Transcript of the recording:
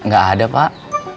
gak ada pak